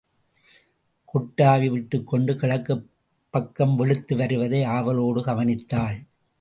கொட்டாவி விட்டுக்கொண்டு கிழக்குப் பக்கம் வெளுத்து வருவதை ஆவலோடு கவனித்தாள்.